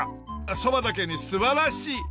そばだけに素晴らしい。